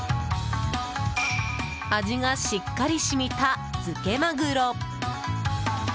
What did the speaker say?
味がしっかり染みたづけマグロ。